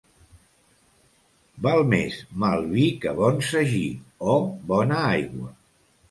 Val més mal vi que bon sagí o bona aigua.